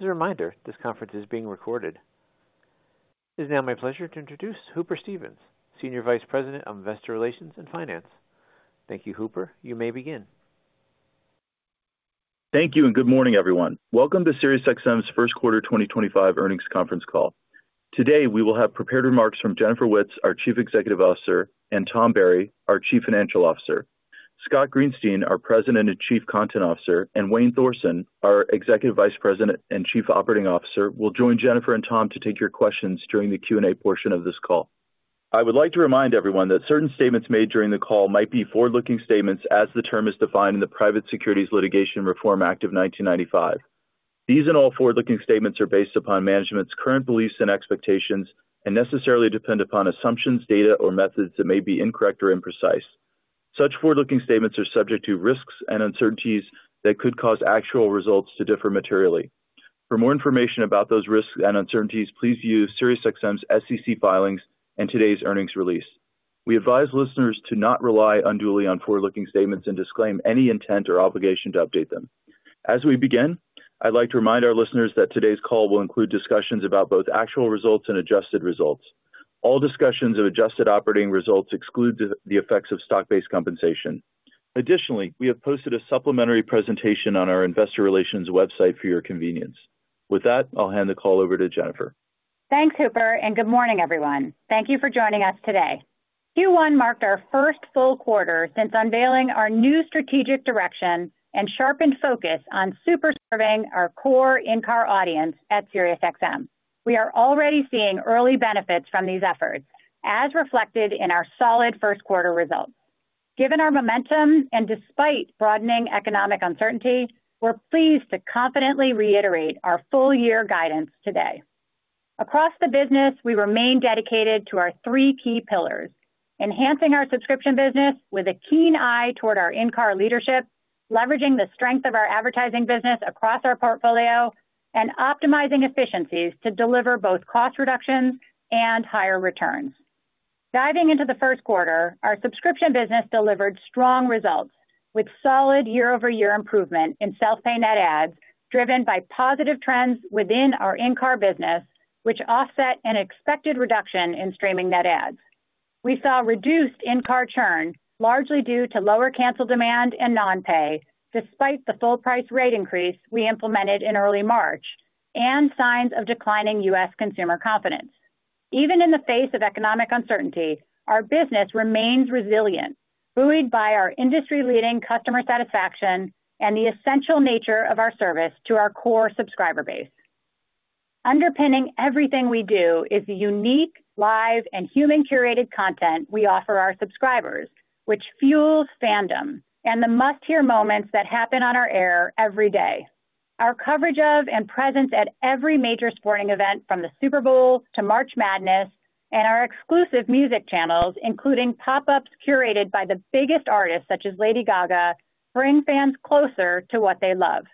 As a reminder, this conference is being recorded. It is now my pleasure to introduce Hooper Stevens, Senior Vice President of Investor Relations and Finance. Thank you, Hooper. You may begin. Thank you and good morning, everyone. Welcome to Sirius XM's First Quarter 2025 earnings conference call. Today, we will have prepared remarks from Jennifer Witz, our Chief Executive Officer, and Tom Barry, our Chief Financial Officer. Scott Greenstein, our President and Chief Content Officer, and Wayne Thorsen, our Executive Vice President and Chief Operating Officer, will join Jennifer and Tom to take your questions during the Q&A portion of this call. I would like to remind everyone that certain statements made during the call might be forward-looking statements as the term is defined in the Private Securities Litigation Reform Act of 1995. These and all forward-looking statements are based upon management's current beliefs and expectations and necessarily depend upon assumptions, data, or methods that may be incorrect or imprecise. Such forward-looking statements are subject to risks and uncertainties that could cause actual results to differ materially. For more information about those risks and uncertainties, please view Sirius XM's SEC filings and today's earnings release. We advise listeners to not rely unduly on forward-looking statements and disclaim any intent or obligation to update them. As we begin, I'd like to remind our listeners that today's call will include discussions about both actual results and adjusted results. All discussions of adjusted operating results exclude the effects of stock-based compensation. Additionally, we have posted a supplementary presentation on our Investor Relations website for your convenience. With that, I'll hand the call over to Jennifer. Thanks, Hooper, and good morning, everyone. Thank you for joining us today. Q1 marked our first full quarter since unveiling our new strategic direction and sharpened focus on super-serving our core in-car audience at Sirius XM. We are already seeing early benefits from these efforts, as reflected in our solid first quarter results. Given our momentum and despite broadening economic uncertainty, we're pleased to confidently reiterate our full-year guidance today. Across the business, we remain dedicated to our three key pillars: enhancing our subscription business with a keen eye toward our in-car leadership, leveraging the strength of our advertising business across our portfolio, and optimizing efficiencies to deliver both cost reductions and higher returns. Diving into the first quarter, our subscription business delivered strong results with solid year-over-year improvement in self-pay net adds driven by positive trends within our in-car business, which offset an expected reduction in streaming net adds. We saw reduced in-car churn, largely due to lower cancel demand and non-pay, despite the full-price rate increase we implemented in early March, and signs of declining U.S. consumer confidence. Even in the face of economic uncertainty, our business remains resilient, buoyed by our industry-leading customer satisfaction and the essential nature of our service to our core subscriber base. Underpinning everything we do is the unique, live, and human-curated content we offer our subscribers, which fuels fandom and the must-hear moments that happen on our air every day. Our coverage of and presence at every major sporting event, from the Super Bowl to March Madness, and our exclusive music channels, including pop-ups curated by the biggest artists such as Lady Gaga, bring fans closer to what they love.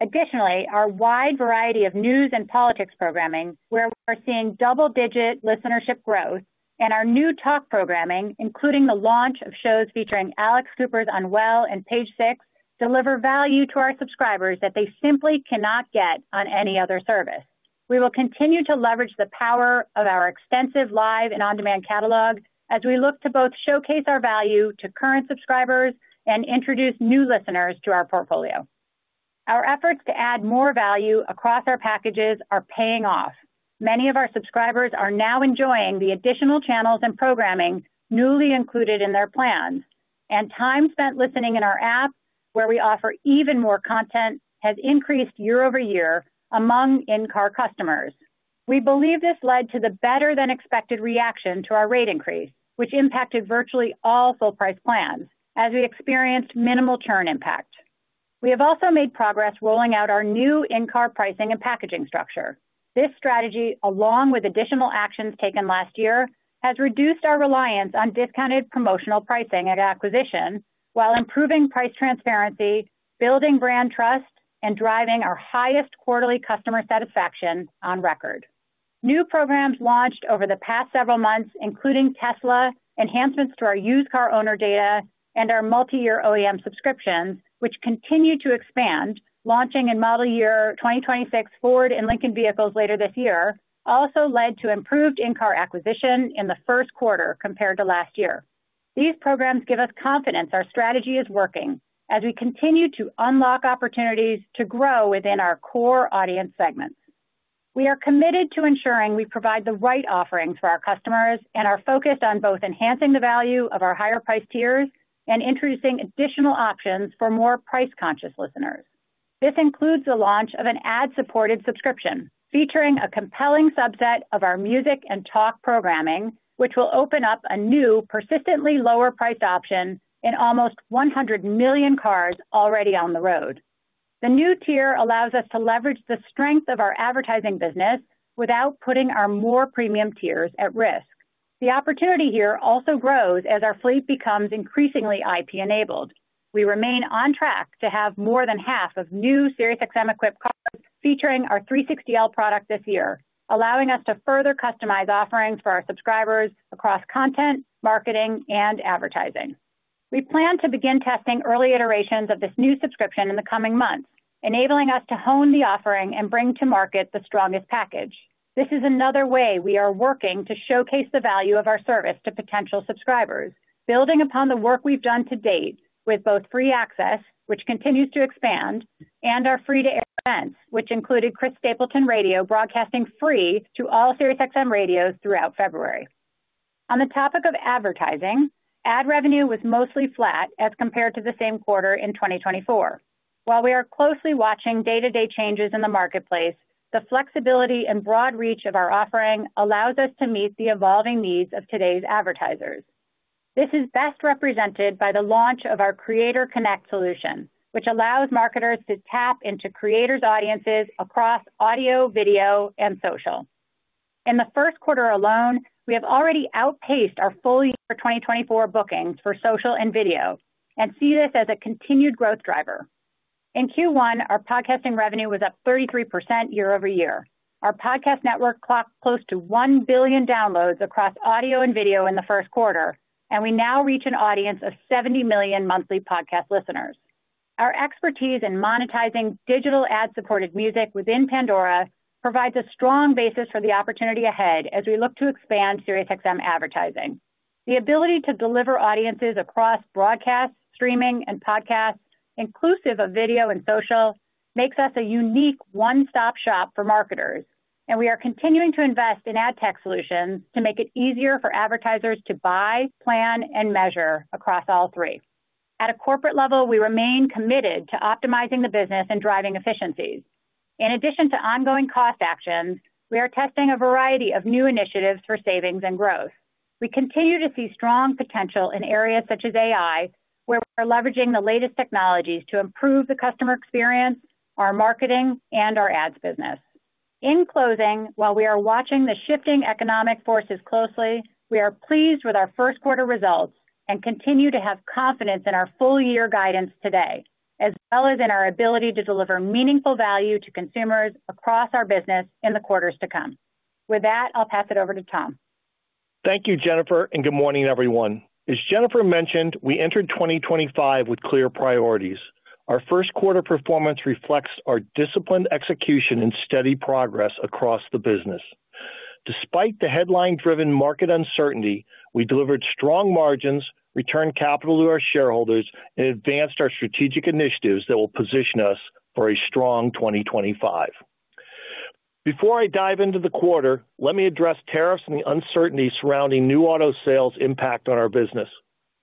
Additionally, our wide variety of news and politics programming, where we're seeing double-digit listenership growth, and our new talk programming, including the launch of shows featuring Alex Cooper's Unwell and Page Six, deliver value to our subscribers that they simply cannot get on any other service. We will continue to leverage the power of our extensive live and on-demand catalogs as we look to both showcase our value to current subscribers and introduce new listeners to our portfolio. Our efforts to add more value across our packages are paying off. Many of our subscribers are now enjoying the additional channels and programming newly included in their plans, and time spent listening in our app, where we offer even more content, has increased year over year among in-car customers. We believe this led to the better-than-expected reaction to our rate increase, which impacted virtually all full-price plans, as we experienced minimal churn impact. We have also made progress rolling out our new in-car pricing and packaging structure. This strategy, along with additional actions taken last year, has reduced our reliance on discounted promotional pricing at acquisition while improving price transparency, building brand trust, and driving our highest quarterly customer satisfaction on record. New programs launched over the past several months, including Tesla, enhancements to our used car owner data, and our multi-year OEM subscriptions, which continue to expand, launching in model year 2026 Ford and Lincoln vehicles later this year, also led to improved in-car acquisition in the first quarter compared to last year. These programs give us confidence our strategy is working as we continue to unlock opportunities to grow within our core audience segments. We are committed to ensuring we provide the right offerings for our customers and are focused on both enhancing the value of our higher-priced tiers and introducing additional options for more price-conscious listeners. This includes the launch of an ad-supported subscription featuring a compelling subset of our music and talk programming, which will open up a new, persistently lower-priced option in almost 100 million cars already on the road. The new tier allows us to leverage the strength of our advertising business without putting our more premium tiers at risk. The opportunity here also grows as our fleet becomes increasingly IP-enabled. We remain on track to have more than half of new Sirius XM-equipped cars featuring our 360L product this year, allowing us to further customize offerings for our subscribers across content, marketing, and advertising. We plan to begin testing early iterations of this new subscription in the coming months, enabling us to hone the offering and bring to market the strongest package. This is another way we are working to showcase the value of our service to potential subscribers, building upon the work we have done to date with both free access, which continues to expand, and our free-to-air events, which included Chris Stapleton Radio broadcasting free to all Sirius XM radios throughout February. On the topic of advertising, ad revenue was mostly flat as compared to the same quarter in 2024. While we are closely watching day-to-day changes in the marketplace, the flexibility and broad reach of our offering allows us to meet the evolving needs of today's advertisers. This is best represented by the launch of our Creator Connect solution, which allows marketers to tap into creators' audiences across audio, video, and social. In the first quarter alone, we have already outpaced our full-year 2024 bookings for social and video and see this as a continued growth driver. In Q1, our podcasting revenue was up 33% year over year. Our podcast network clocked close to 1 billion downloads across audio and video in the first quarter, and we now reach an audience of 70 million monthly podcast listeners. Our expertise in monetizing digital ad-supported music within Pandora provides a strong basis for the opportunity ahead as we look to expand Sirius XM advertising. The ability to deliver audiences across broadcast, streaming, and podcast, inclusive of video and social, makes us a unique one-stop shop for marketers, and we are continuing to invest in ad tech solutions to make it easier for advertisers to buy, plan, and measure across all three. At a corporate level, we remain committed to optimizing the business and driving efficiencies. In addition to ongoing cost actions, we are testing a variety of new initiatives for savings and growth. We continue to see strong potential in areas such as AI, where we are leveraging the latest technologies to improve the customer experience, our marketing, and our ads business. In closing, while we are watching the shifting economic forces closely, we are pleased with our first quarter results and continue to have confidence in our full-year guidance today, as well as in our ability to deliver meaningful value to consumers across our business in the quarters to come. With that, I'll pass it over to Tom. Thank you, Jennifer, and good morning, everyone. As Jennifer mentioned, we entered 2025 with clear priorities. Our first quarter performance reflects our disciplined execution and steady progress across the business. Despite the headline-driven market uncertainty, we delivered strong margins, returned capital to our shareholders, and advanced our strategic initiatives that will position us for a strong 2025. Before I dive into the quarter, let me address tariffs and the uncertainty surrounding new auto sales' impact on our business.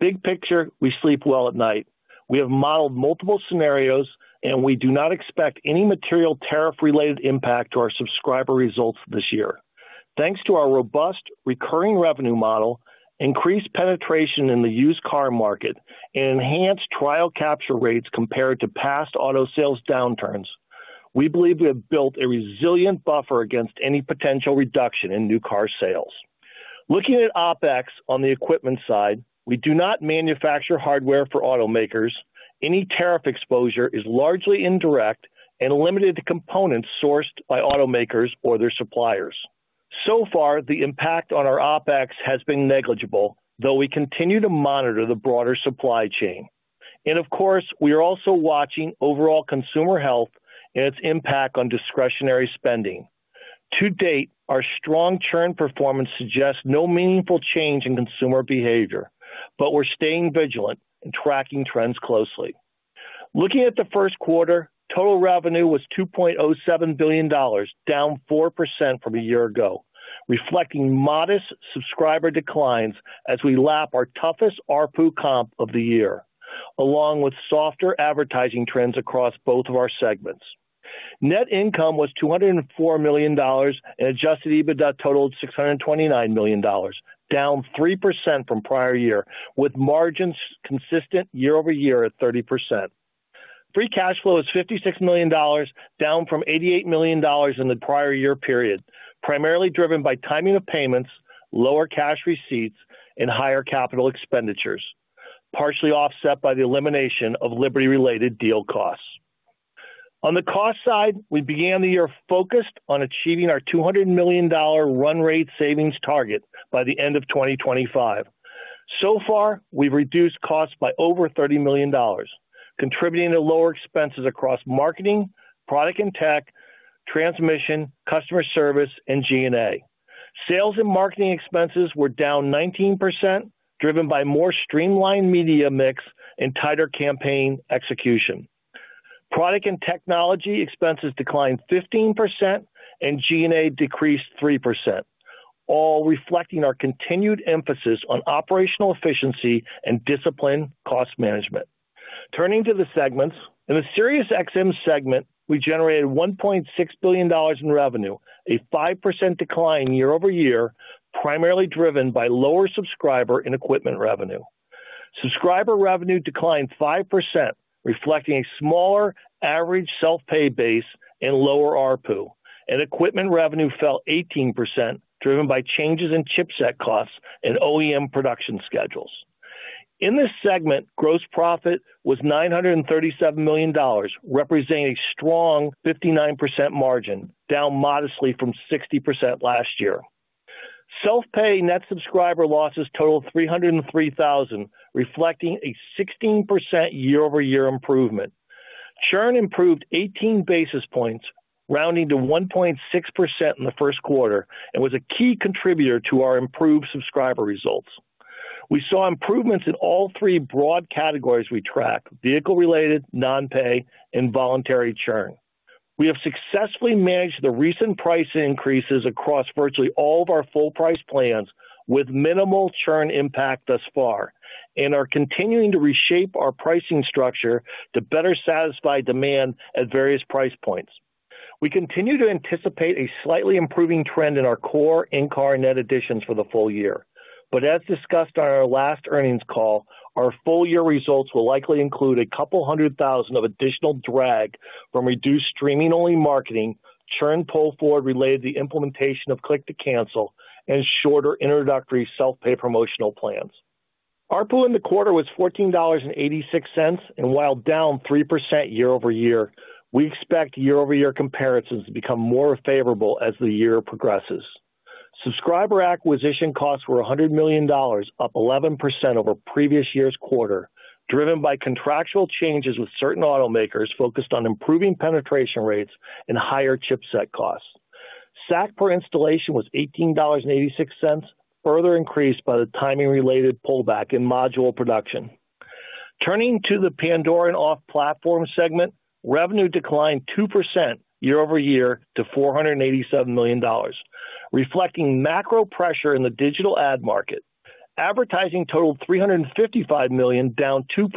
Big picture, we sleep well at night. We have modeled multiple scenarios, and we do not expect any material tariff-related impact to our subscriber results this year. Thanks to our robust recurring revenue model, increased penetration in the used car market, and enhanced trial capture rates compared to past auto sales downturns, we believe we have built a resilient buffer against any potential reduction in new car sales. Looking at OPEX on the equipment side, we do not manufacture hardware for automakers. Any tariff exposure is largely indirect and limited to components sourced by automakers or their suppliers. So far, the impact on our OPEX has been negligible, though we continue to monitor the broader supply chain. Of course, we are also watching overall consumer health and its impact on discretionary spending. To date, our strong churn performance suggests no meaningful change in consumer behavior, but we're staying vigilant and tracking trends closely. Looking at the first quarter, total revenue was $2.07 billion, down 4% from a year ago, reflecting modest subscriber declines as we lap our toughest ARPU comp of the year, along with softer advertising trends across both of our segments. Net income was $204 million and adjusted EBITDA totaled $629 million, down 3% from prior year, with margins consistent year over year at 30%. Free cash flow is $56 million, down from $88 million in the prior year period, primarily driven by timing of payments, lower cash receipts, and higher capital expenditures, partially offset by the elimination of Liberty-related deal costs. On the cost side, we began the year focused on achieving our $200 million run rate savings target by the end of 2025. So far, we've reduced costs by over $30 million, contributing to lower expenses across marketing, product and tech, transmission, customer service, and G&A. Sales and marketing expenses were down 19%, driven by more streamlined media mix and tighter campaign execution. Product and technology expenses declined 15%, and G&A decreased 3%, all reflecting our continued emphasis on operational efficiency and disciplined cost management. Turning to the segments, in the Sirius XM segment, we generated $1.6 billion in revenue, a 5% decline year over year, primarily driven by lower subscriber and equipment revenue. Subscriber revenue declined 5%, reflecting a smaller average self-pay base and lower ARPU. Equipment revenue fell 18%, driven by changes in chipset costs and OEM production schedules. In this segment, gross profit was $937 million, representing a strong 59% margin, down modestly from 60% last year. Self-pay net subscriber losses totaled 303,000, reflecting a 16% year-over-year improvement. Churn improved 18 basis points, rounding to 1.6% in the first quarter, and was a key contributor to our improved subscriber results. We saw improvements in all three broad categories we track: vehicle-related, non-pay, and voluntary churn. We have successfully managed the recent price increases across virtually all of our full-price plans with minimal churn impact thus far, and are continuing to reshape our pricing structure to better satisfy demand at various price points. We continue to anticipate a slightly improving trend in our core in-car and net additions for the full year. As discussed on our last earnings call, our full-year results will likely include a couple hundred thousand of additional drag from reduced streaming-only marketing, churn pulled forward related to the implementation of click-to-cancel, and shorter introductory self-pay promotional plans. ARPU in the quarter was $14.86, and while down 3% year-over-year, we expect year-over-year comparisons to become more favorable as the year progresses. Subscriber acquisition costs were $100 million, up 11% over previous year's quarter, driven by contractual changes with certain automakers focused on improving penetration rates and higher chipset costs. SAC per installation was $18.86, further increased by the timing-related pullback in module production. Turning to the Pandora and Off Platform segment, revenue declined 2% year-over-year to $487 million, reflecting macro pressure in the digital ad market. Advertising totaled $355 million, down 2%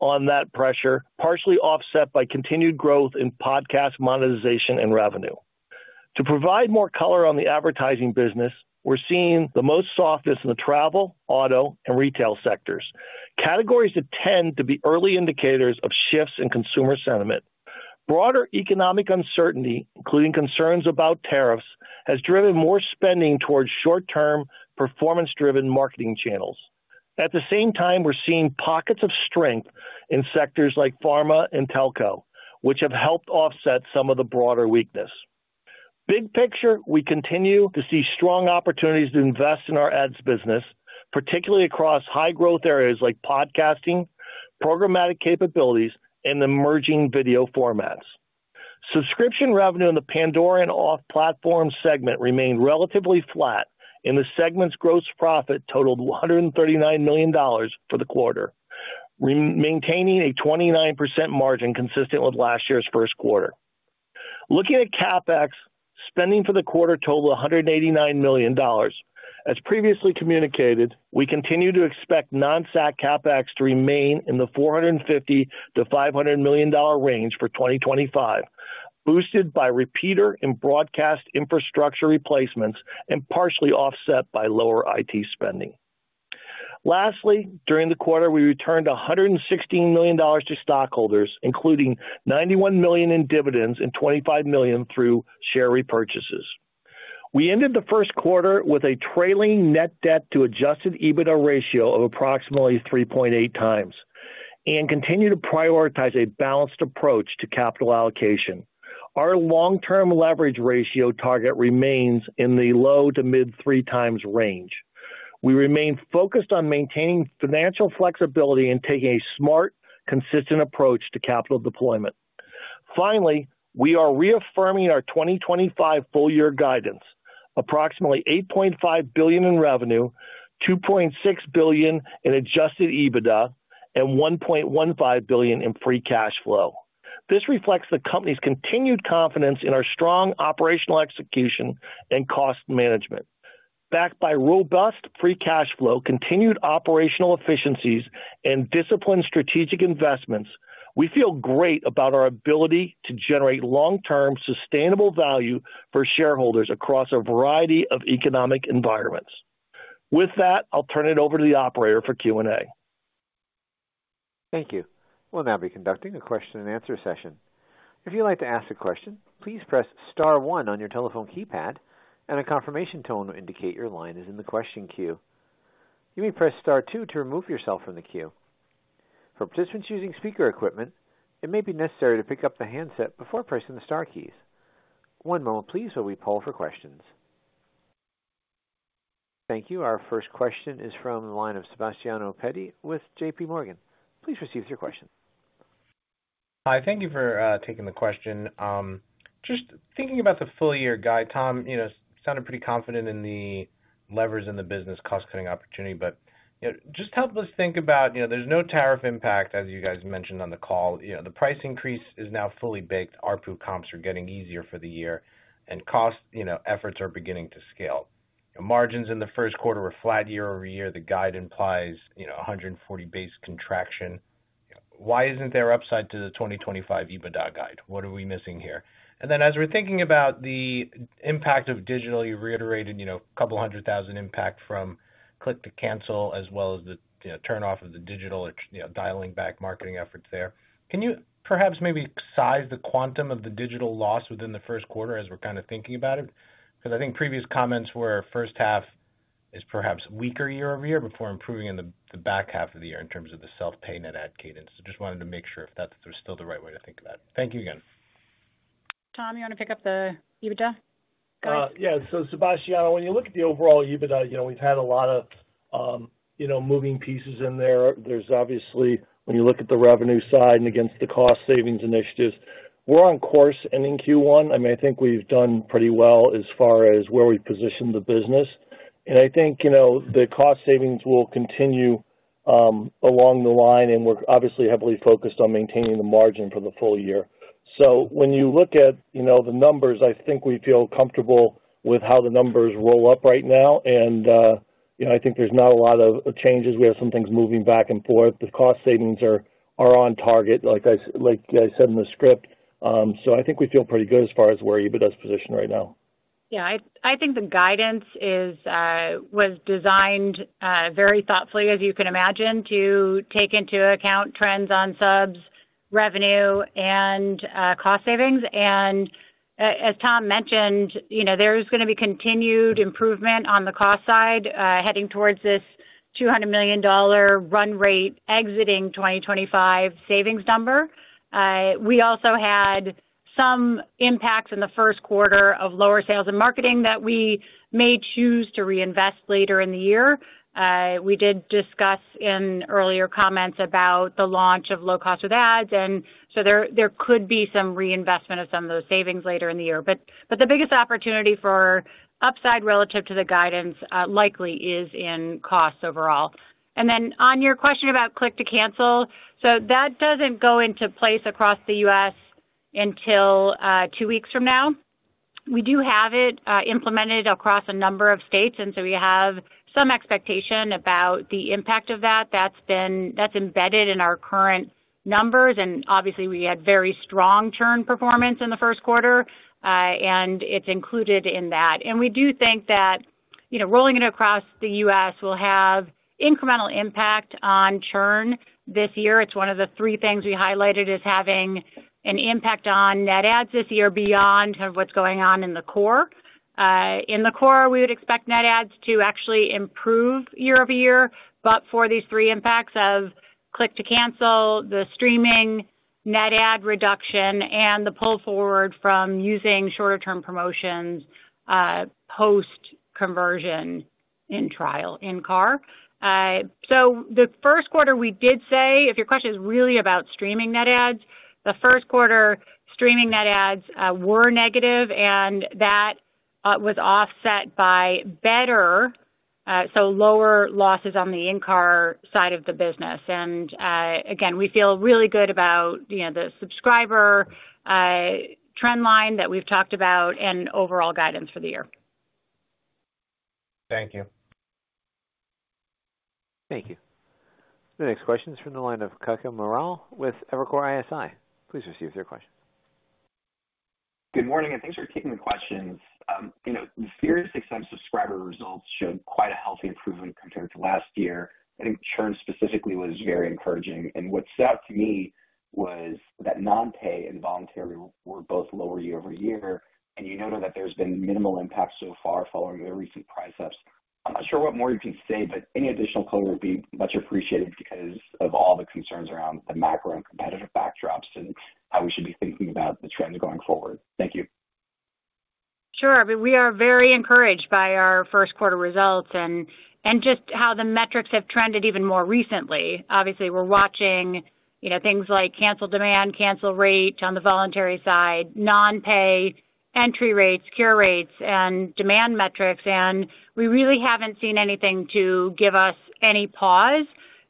on that pressure, partially offset by continued growth in podcast monetization and revenue. To provide more color on the advertising business, we're seeing the most softness in the travel, auto, and retail sectors, categories that tend to be early indicators of shifts in consumer sentiment. Broader economic uncertainty, including concerns about tariffs, has driven more spending towards short-term performance-driven marketing channels. At the same time, we're seeing pockets of strength in sectors like pharma and telco, which have helped offset some of the broader weakness. Big picture, we continue to see strong opportunities to invest in our ads business, particularly across high-growth areas like podcasting, programmatic capabilities, and emerging video formats. Subscription revenue in the Pandora and Off Platform segment remained relatively flat, and the segment's gross profit totaled $139 million for the quarter, maintaining a 29% margin consistent with last year's first quarter. Looking at CapEx, spending for the quarter totaled $189 million. As previously communicated, we continue to expect non-SAC CapEx to remain in the $450-$500 million range for 2025, boosted by repeater and broadcast infrastructure replacements and partially offset by lower IT spending. Lastly, during the quarter, we returned $116 million to stockholders, including $91 million in dividends and $25 million through share repurchases. We ended the first quarter with a trailing net debt to adjusted EBITDA ratio of approximately 3.8 times and continue to prioritize a balanced approach to capital allocation. Our long-term leverage ratio target remains in the low to mid-three times range. We remain focused on maintaining financial flexibility and taking a smart, consistent approach to capital deployment. Finally, we are reaffirming our 2025 full-year guidance: approximately $8.5 billion in revenue, $2.6 billion in adjusted EBITDA, and $1.15 billion in free cash flow. This reflects the company's continued confidence in our strong operational execution and cost management. Backed by robust free cash flow, continued operational efficiencies, and disciplined strategic investments, we feel great about our ability to generate long-term sustainable value for shareholders across a variety of economic environments. With that, I'll turn it over to the operator for Q&A. Thank you. We'll now be conducting a question-and-answer session. If you'd like to ask a question, please press Star 1 on your telephone keypad, and a confirmation tone will indicate your line is in the question queue. You may press Star 2 to remove yourself from the queue. For participants using speaker equipment, it may be necessary to pick up the handset before pressing the Star keys. One moment, please, while we poll for questions. Thank you. Our first question is from the line of Sebastiano Petti with JPMorgan. Please proceed with your question. Hi. Thank you for taking the question. Just thinking about the full-year guide, Tom, you sounded pretty confident in the levers in the business cost-cutting opportunity, but just help us think about there's no tariff impact, as you guys mentioned on the call. The price increase is now fully baked. ARPU comps are getting easier for the year, and cost efforts are beginning to scale. Margins in the first quarter were flat year-over-year. The guide implies 140 basis points contraction. Why isn't there upside to the 2025 EBITDA guide? What are we missing here? As we're thinking about the impact of digital, you reiterated a couple hundred thousand impact from click-to-cancel, as well as the turn-off of the digital or dialing back marketing efforts there. Can you perhaps maybe size the quantum of the digital loss within the first quarter as we're kind of thinking about it? Because I think previous comments were first half is perhaps weaker year-over-year before improving in the back half of the year in terms of the self-pay net add cadence. Just wanted to make sure if that's still the right way to think about it. Thank you again. Tom, you want to pick up the EBITDA guide? Yeah. Sebastiano, when you look at the overall EBITDA, we've had a lot of moving pieces in there. There's obviously, when you look at the revenue side and against the cost savings initiatives, we're on course ending Q1. I mean, I think we've done pretty well as far as where we position the business. I think the cost savings will continue along the line, and we're obviously heavily focused on maintaining the margin for the full year. When you look at the numbers, I think we feel comfortable with how the numbers roll up right now. I think there's not a lot of changes. We have some things moving back and forth. The cost savings are on target, like I said in the script. I think we feel pretty good as far as where EBITDA is positioned right now. Yeah. I think the guidance was designed very thoughtfully, as you can imagine, to take into account trends on subs, revenue, and cost savings. As Tom mentioned, there's going to be continued improvement on the cost side heading towards this $200 million run rate exiting 2025 savings number. We also had some impacts in the first quarter of lower sales and marketing that we may choose to reinvest later in the year. We did discuss in earlier comments about the launch of low-cost with ads. There could be some reinvestment of some of those savings later in the year. The biggest opportunity for upside relative to the guidance likely is in costs overall. On your question about click-to-cancel, that doesn't go into place across the U.S. until two weeks from now. We do have it implemented across a number of states. We have some expectation about the impact of that. That is embedded in our current numbers. Obviously, we had very strong churn performance in the first quarter, and it is included in that. We do think that rolling it across the U.S. will have incremental impact on churn this year. It is one of the three things we highlighted as having an impact on net adds this year beyond what is going on in the core. In the core, we would expect net adds to actually improve year-over-year. For these three impacts of click-to-cancel, the streaming net add reduction, and the pull forward from using shorter-term promotions post-conversion in trial in car. The first quarter, we did say, if your question is really about streaming net adds, the first quarter streaming net adds were negative, and that was offset by better, so lower losses on the in-car side of the business. Again, we feel really good about the subscriber trend line that we've talked about and overall guidance for the year. Thank you. Thank you. The next question is from the line of Kutgun Maral with Evercore ISI. Please proceed with your question. Good morning, and thanks for taking the questions. Sirius XM subscriber results showed quite a healthy improvement compared to last year. I think churn specifically was very encouraging. What stood out to me was that non-pay and voluntary were both lower year-over-year, and you noted that there's been minimal impact so far following the recent price ups. I'm not sure what more you can say, but any additional color would be much appreciated because of all the concerns around the macro and competitive backdrops and how we should be thinking about the trend going forward. Thank you. Sure. I mean, we are very encouraged by our first quarter results and just how the metrics have trended even more recently. Obviously, we're watching things like cancel demand, cancel rate on the voluntary side, non-pay entry rates, cure rates, and demand metrics. We really haven't seen anything to give us any pause.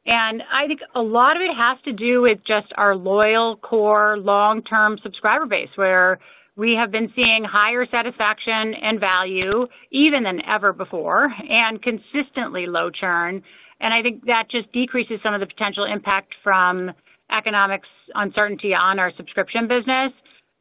I think a lot of it has to do with just our loyal core long-term subscriber base, where we have been seeing higher satisfaction and value even than ever before and consistently low churn. I think that just decreases some of the potential impact from economic uncertainty on our subscription business.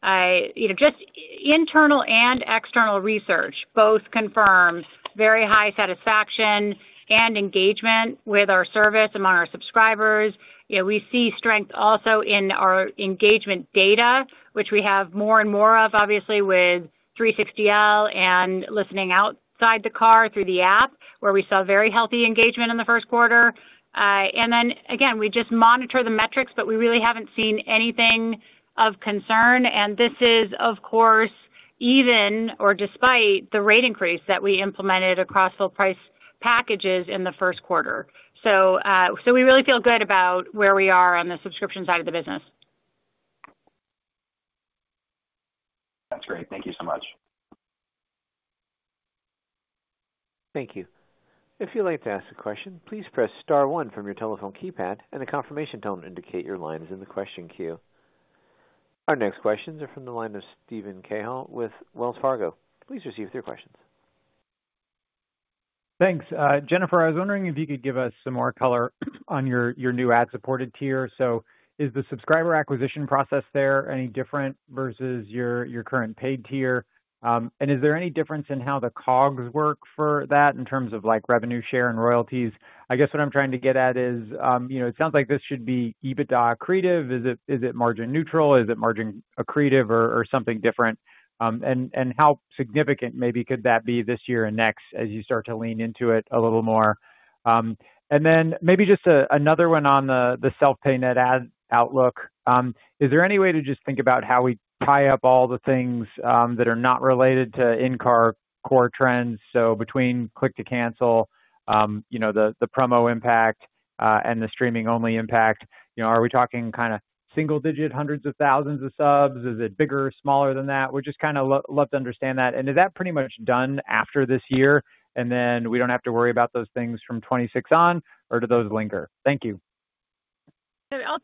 Just internal and external research both confirm very high satisfaction and engagement with our service among our subscribers. We see strength also in our engagement data, which we have more and more of, obviously, with 360L and listening outside the car through the app, where we saw very healthy engagement in the first quarter. We just monitor the metrics, but we really haven't seen anything of concern. This is, of course, even or despite the rate increase that we implemented across full price packages in the first quarter. We really feel good about where we are on the subscription side of the business. That's great. Thank you so much. Thank you. If you'd like to ask a question, please press Star 1 from your telephone keypad, and a confirmation tone will indicate your line is in the question queue. Our next questions are from the line of Steven Cahill with Wells Fargo. Please proceed with your questions. Thanks. Jennifer, I was wondering if you could give us some more color on your new ad-supported tier. Is the subscriber acquisition process there any different versus your current paid tier? Is there any difference in how the COGS work for that in terms of revenue share and royalties? I guess what I'm trying to get at is it sounds like this should be EBITDA accretive. Is it margin neutral? Is it margin accretive or something different? How significant maybe could that be this year and next as you start to lean into it a little more? Maybe just another one on the self-pay net add outlook. Is there any way to just think about how we tie up all the things that are not related to in-car core trends? Between click-to-cancel, the promo impact, and the streaming-only impact, are we talking kind of single-digit hundreds of thousands of subs? Is it bigger, smaller than that? We'd just kind of love to understand that. Is that pretty much done after this year, and then we do not have to worry about those things from 2026 on, or do those linger? Thank you.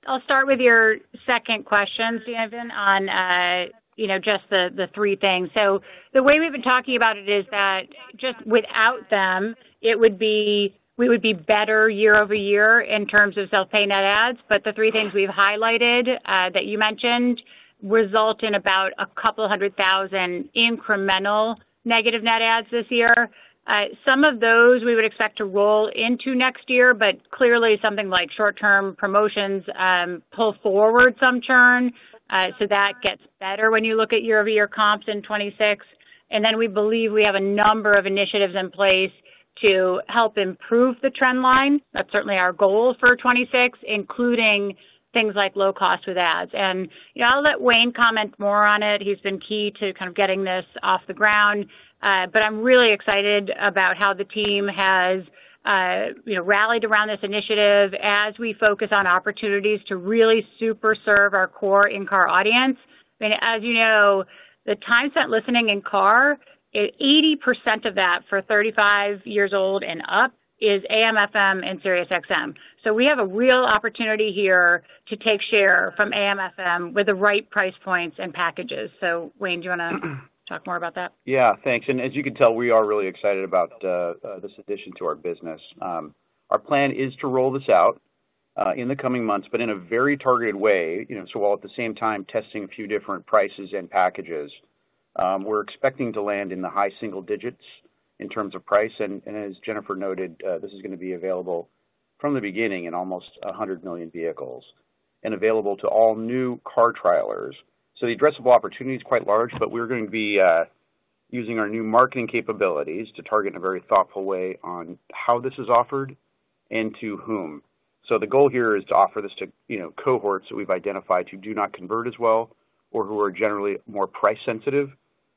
I'll start with your second question, Steven, on just the three things. The way we've been talking about it is that just without them, we would be better year-over-year in terms of self-pay net adds. The three things we've highlighted that you mentioned result in about a couple hundred thousand incremental negative net adds this year. Some of those we would expect to roll into next year, but clearly something like short-term promotions pull forward some churn. That gets better when you look at year-over-year comps in 2026. We believe we have a number of initiatives in place to help improve the trend line. That's certainly our goal for 2026, including things like low cost with ads. I'll let Wayne comment more on it. He's been key to kind of getting this off the ground. I'm really excited about how the team has rallied around this initiative as we focus on opportunities to really super serve our core in-car audience. I mean, as you know, the time spent listening in car, 80% of that for 35 years old and up is AMFM and Sirius XM. We have a real opportunity here to take share from AMFM with the right price points and packages. Wayne, do you want to talk more about that? Yeah. Thanks. As you can tell, we are really excited about this addition to our business. Our plan is to roll this out in the coming months, but in a very targeted way. While at the same time testing a few different prices and packages, we're expecting to land in the high single digits in terms of price. As Jennifer noted, this is going to be available from the beginning in almost 100 million vehicles and available to all new car trialers. The addressable opportunity is quite large, but we're going to be using our new marketing capabilities to target in a very thoughtful way on how this is offered and to whom. The goal here is to offer this to cohorts that we've identified who do not convert as well or who are generally more price sensitive.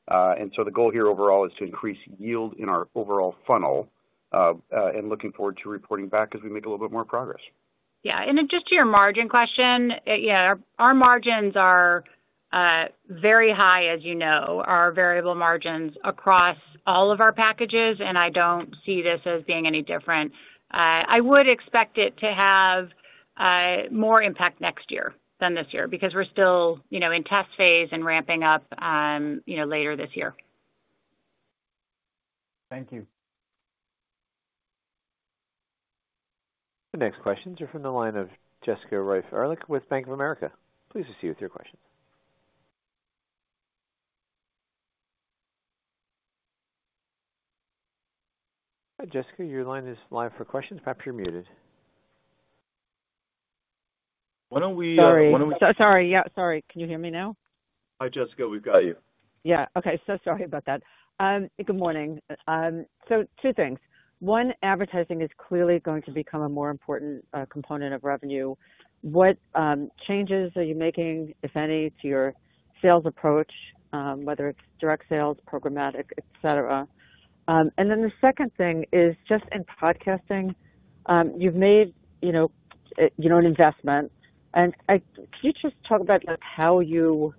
The goal here overall is to increase yield in our overall funnel and looking forward to reporting back as we make a little bit more progress. Yeah. Just to your margin question, our margins are very high, as you know, our variable margins across all of our packages. I do not see this as being any different. I would expect it to have more impact next year than this year because we are still in test phase and ramping up later this year. Thank you. The next questions are from the line of Jessica Reif Ehrlich with Bank of America. Please proceed with your questions. Jessica, your line is live for questions. Perhaps you're muted. Why don't we? Sorry. Sorry. Yeah. Sorry. Can you hear me now? Hi, Jessica. We've got you. Yeah. Okay. Sorry about that. Good morning. Two things. One, advertising is clearly going to become a more important component of revenue. What changes are you making, if any, to your sales approach, whether it's direct sales, programmatic, etc.? The second thing is just in podcasting, you've made an investment. Can you just talk about how you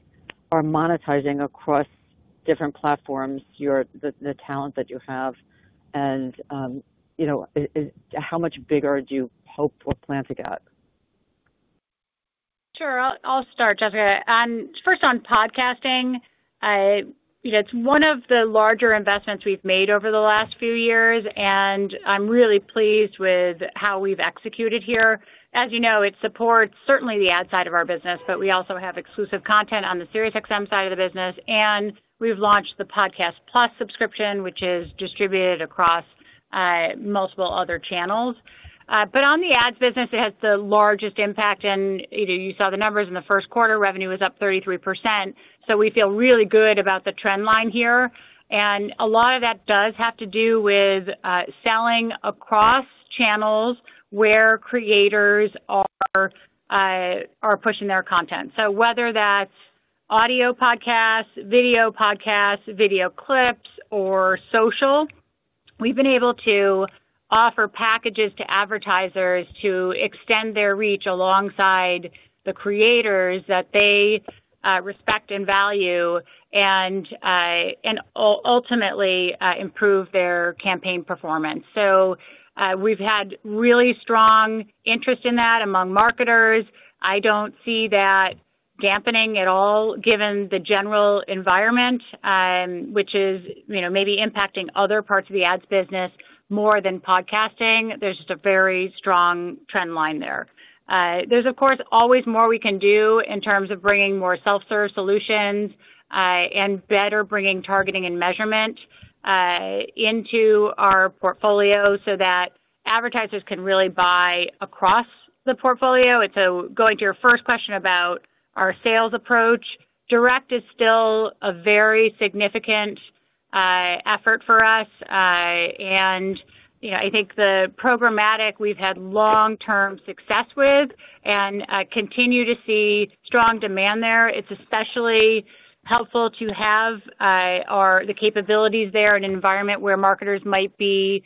are monetizing across different platforms, the talent that you have, and how much bigger do you hope or plan to get? Sure. I'll start, Jessica. First, on podcasting, it's one of the larger investments we've made over the last few years. I'm really pleased with how we've executed here. As you know, it supports certainly the ad side of our business, but we also have exclusive content on the Sirius XM side of the business. We've launched the Podcast+ subscription, which is distributed across multiple other channels. On the ads business, it has the largest impact. You saw the numbers in the first quarter. Revenue was up 33%. We feel really good about the trend line here. A lot of that does have to do with selling across channels where creators are pushing their content. Whether that's audio, podcasts, video, podcasts, video clips, or social, we've been able to offer packages to advertisers to extend their reach alongside the creators that they respect and value and ultimately improve their campaign performance. We've had really strong interest in that among marketers. I don't see that dampening at all, given the general environment, which is maybe impacting other parts of the ads business more than podcasting. There's just a very strong trend line there. There's, of course, always more we can do in terms of bringing more self-serve solutions and better bringing targeting and measurement into our portfolio so that advertisers can really buy across the portfolio. Going to your first question about our sales approach, direct is still a very significant effort for us. I think the programmatic we've had long-term success with and continue to see strong demand there. It's especially helpful to have the capabilities there in an environment where marketers might be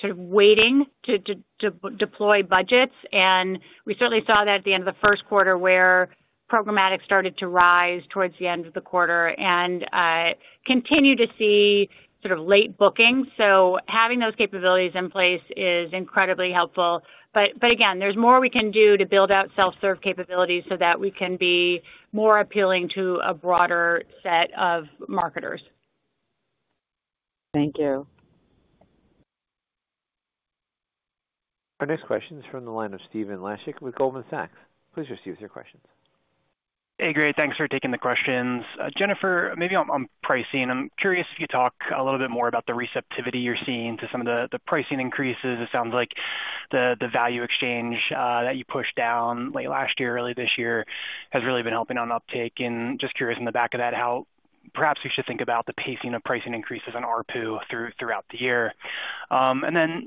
sort of waiting to deploy budgets. We certainly saw that at the end of the first quarter where programmatic started to rise towards the end of the quarter and continue to see sort of late bookings. Having those capabilities in place is incredibly helpful. Again, there's more we can do to build out self-serve capabilities so that we can be more appealing to a broader set of marketers. Thank you. Our next question is from the line of Stephen Laszczyk with Goldman Sachs. Please proceed with your questions. Hey, great. Thanks for taking the questions. Jennifer, maybe on pricing, I'm curious if you talk a little bit more about the receptivity you're seeing to some of the pricing increases. It sounds like the value exchange that you pushed down late last year, early this year has really been helping on uptake. Just curious in the back of that how perhaps we should think about the pacing of pricing increases on ARPU throughout the year.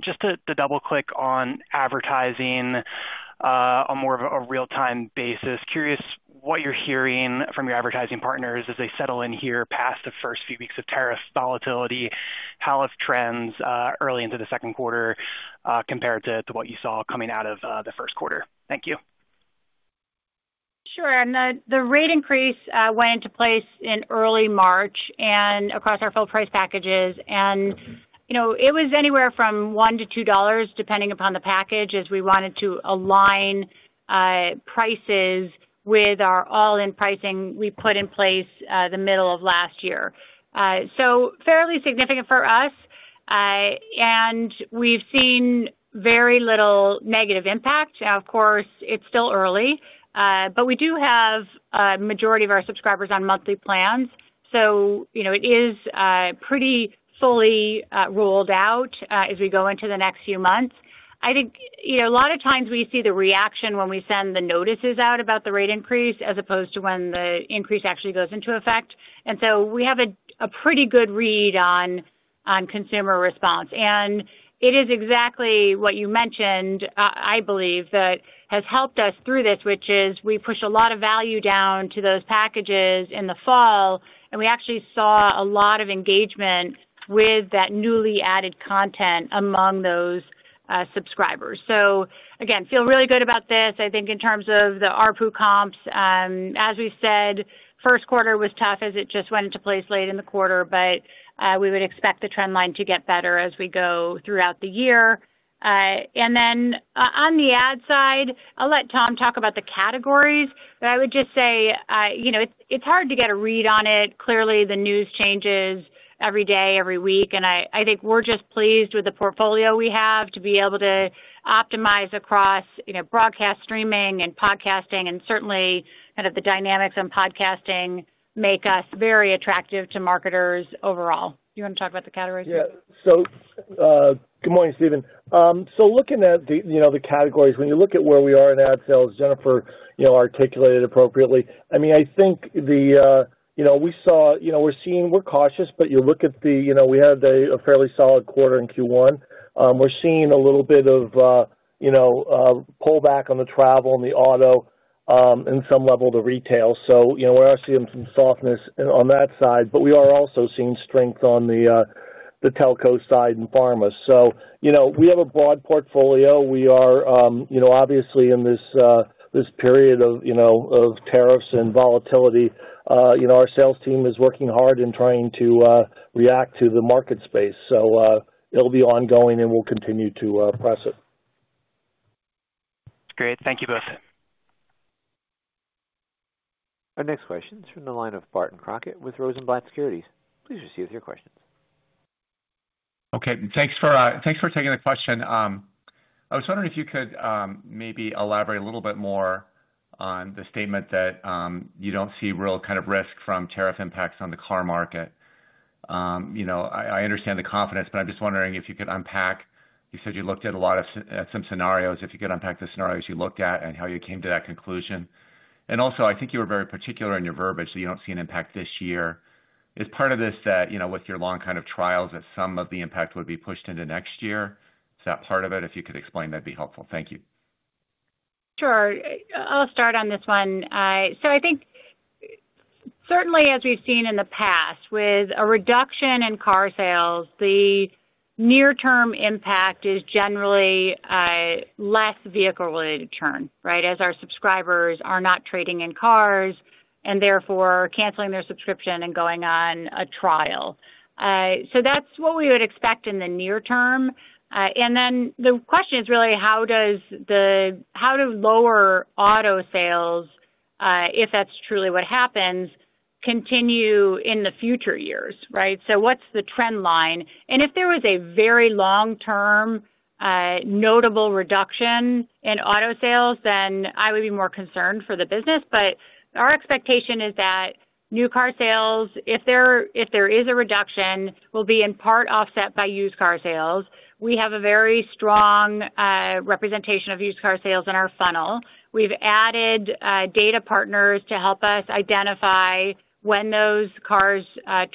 Just to double-click on advertising on more of a real-time basis, curious what you're hearing from your advertising partners as they settle in here past the first few weeks of tariff volatility, how have trends early into the second quarter compared to what you saw coming out of the first quarter? Thank you. Sure. The rate increase went into place in early March across our full price packages. It was anywhere from $1 to $2 depending upon the package as we wanted to align prices with our all-in pricing we put in place the middle of last year. This was fairly significant for us. We have seen very little negative impact. Now, of course, it is still early, but we do have a majority of our subscribers on monthly plans. It is pretty fully rolled out as we go into the next few months. I think a lot of times we see the reaction when we send the notices out about the rate increase as opposed to when the increase actually goes into effect. We have a pretty good read on consumer response. It is exactly what you mentioned, I believe, that has helped us through this, which is we push a lot of value down to those packages in the fall. We actually saw a lot of engagement with that newly added content among those subscribers. Again, feel really good about this, I think, in terms of the ARPU comps. As we said, first quarter was tough as it just went into place late in the quarter, but we would expect the trend line to get better as we go throughout the year. On the ad side, I'll let Tom talk about the categories. I would just say it's hard to get a read on it. Clearly, the news changes every day, every week. I think we're just pleased with the portfolio we have to be able to optimize across broadcast streaming and podcasting. Certainly, kind of the dynamics on podcasting make us very attractive to marketers overall. Do you want to talk about the categories? Yeah. Good morning, Steven. Looking at the categories, when you look at where we are in ad sales, Jennifer articulated appropriately. I mean, I think we're seeing we're cautious, but you look at the we had a fairly solid quarter in Q1. We're seeing a little bit of pullback on the travel and the auto and some level of the retail. We're actually in some softness on that side. We are also seeing strength on the telco side and pharma. We have a broad portfolio. We are obviously in this period of tariffs and volatility. Our sales team is working hard in trying to react to the market space. It'll be ongoing, and we'll continue to press it. Great. Thank you both. Our next question is from the line of Barton Crockett with Rosenblatt Securities. Please proceed with your questions. Okay. Thanks for taking the question. I was wondering if you could maybe elaborate a little bit more on the statement that you don't see real kind of risk from tariff impacts on the car market. I understand the confidence, but I'm just wondering if you could unpack. You said you looked at some scenarios. If you could unpack the scenarios you looked at and how you came to that conclusion. Also, I think you were very particular in your verbiage that you don't see an impact this year. Is part of this that with your long kind of trials that some of the impact would be pushed into next year? Is that part of it? If you could explain, that'd be helpful. Thank you. Sure. I'll start on this one. I think certainly, as we've seen in the past with a reduction in car sales, the near-term impact is generally less vehicle-related churn, right, as our subscribers are not trading in cars and therefore canceling their subscription and going on a trial. That's what we would expect in the near term. The question is really how do lower auto sales, if that's truly what happens, continue in the future years, right? What's the trend line? If there was a very long-term notable reduction in auto sales, then I would be more concerned for the business. Our expectation is that new car sales, if there is a reduction, will be in part offset by used car sales. We have a very strong representation of used car sales in our funnel. We've added data partners to help us identify when those cars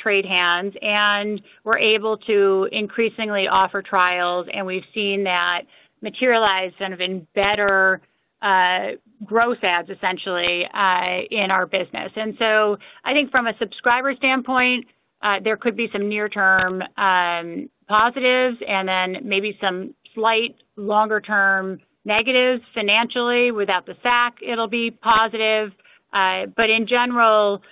trade hands. We are able to increasingly offer trials. We've seen that materialize in better gross adds, essentially, in our business. I think from a subscriber standpoint, there could be some near-term positives and then maybe some slight longer-term negatives. Financially, without the SAC, it'll be positive. In general,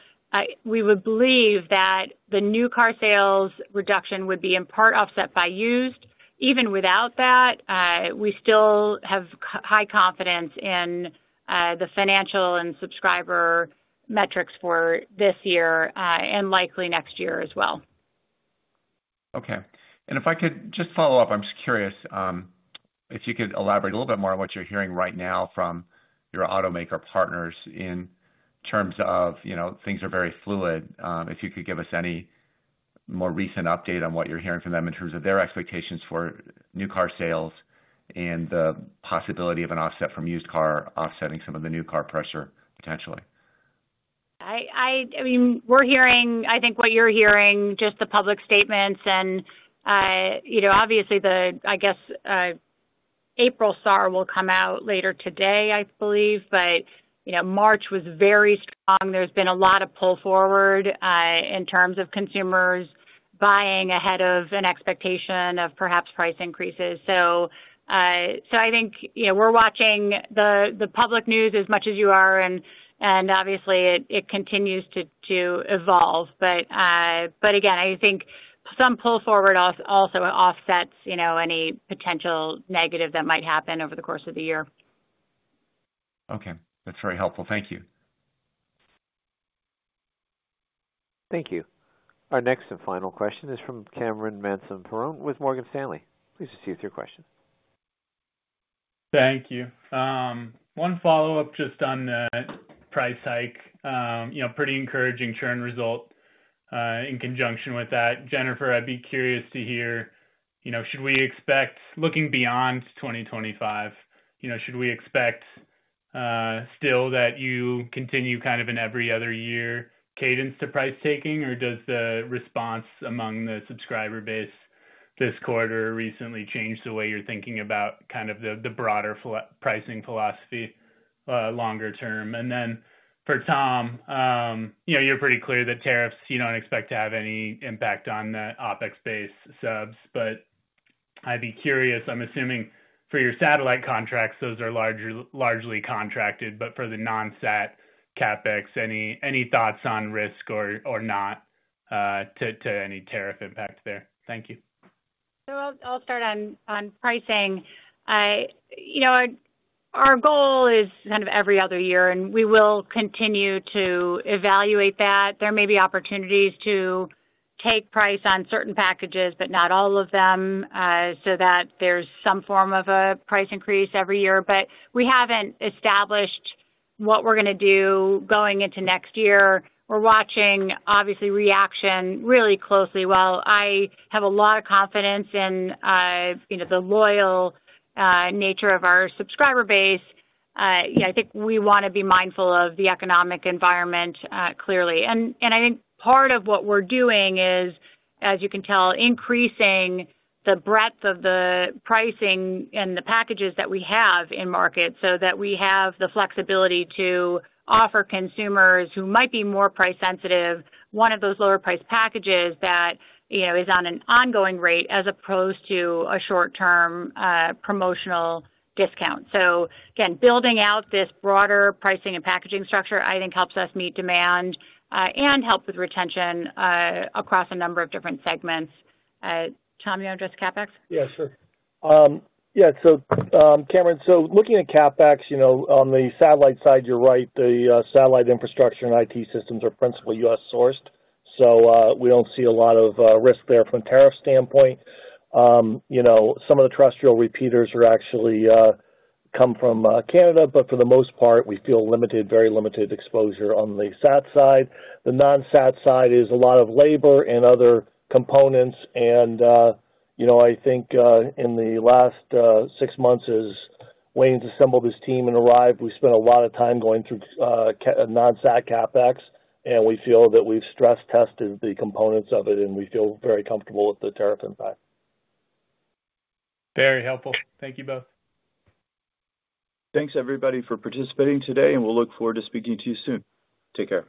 we would believe that the new car sales reduction would be in part offset by used. Even without that, we still have high confidence in the financial and subscriber metrics for this year and likely next year as well. Okay. If I could just follow up, I'm just curious if you could elaborate a little bit more on what you're hearing right now from your automaker partners in terms of things are very fluid. If you could give us any more recent update on what you're hearing from them in terms of their expectations for new car sales and the possibility of an offset from used car offsetting some of the new car pressure potentially. I mean, we're hearing, I think, what you're hearing, just the public statements. Obviously, I guess April's SAR will come out later today, I believe. March was very strong. There's been a lot of pull forward in terms of consumers buying ahead of an expectation of perhaps price increases. I think we're watching the public news as much as you are. Obviously, it continues to evolve. I think some pull forward also offsets any potential negative that might happen over the course of the year. Okay. That's very helpful. Thank you. Thank you. Our next and final question is from Cameron Mansson-Perrone with Morgan Stanley. Please proceed with your question. Thank you. One follow-up just on that price hike. Pretty encouraging churn result in conjunction with that. Jennifer, I'd be curious to hear, should we expect looking beyond 2025, should we expect still that you continue kind of an every other year cadence to price taking, or does the response among the subscriber base this quarter recently change the way you're thinking about kind of the broader pricing philosophy longer term? For Tom, you're pretty clear that tariffs, you don't expect to have any impact on the OPEX-based subs. I'd be curious, I'm assuming for your satellite contracts, those are largely contracted. For the non-SAT CapEx, any thoughts on risk or not to any tariff impact there? Thank you. I'll start on pricing. Our goal is kind of every other year, and we will continue to evaluate that. There may be opportunities to take price on certain packages, but not all of them, so that there's some form of a price increase every year. We haven't established what we're going to do going into next year. We're watching, obviously, reaction really closely. While I have a lot of confidence in the loyal nature of our subscriber base, I think we want to be mindful of the economic environment clearly. I think part of what we're doing is, as you can tell, increasing the breadth of the pricing and the packages that we have in market so that we have the flexibility to offer consumers who might be more price sensitive one of those lower-priced packages that is on an ongoing rate as opposed to a short-term promotional discount. Again, building out this broader pricing and packaging structure, I think, helps us meet demand and help with retention across a number of different segments. Tom, you want to address CapEx? Yeah, sure. Yeah. So Cameron, looking at CapEx, on the satellite side, you're right, the satellite infrastructure and IT systems are principally U.S.-sourced. We do not see a lot of risk there from a tariff standpoint. Some of the terrestrial repeaters actually come from Canada. For the most part, we feel limited, very limited exposure on the SAT side. The non-SAT side is a lot of labor and other components. I think in the last six months, as Wayne's assembled his team and arrived, we spent a lot of time going through non-SAT CapEx. We feel that we've stress-tested the components of it, and we feel very comfortable with the tariff impact. Very helpful. Thank you both. Thanks, everybody, for participating today. We look forward to speaking to you soon. Take care.